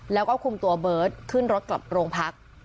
แล้วก็คุมตัวเบิร์ตขึ้นรถกลับโรงพัก